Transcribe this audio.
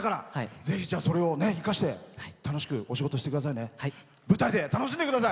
ぜひそれを生かして楽しくお仕事してくださいね。